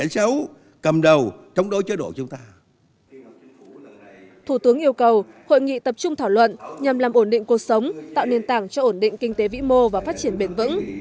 nhằm làm ổn định cuộc sống tạo nền tảng cho ổn định kinh tế vĩ mô và phát triển bền vững